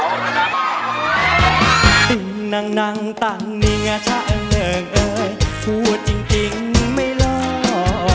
ติ้งนั่งนั่งต่างนิงชะเหลิงเอ่ยพูดจริงจริงไม่หลอก